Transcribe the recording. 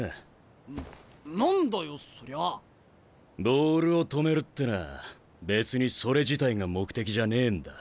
ボールを止めるってのは別にそれ自体が目的じゃねえんだ。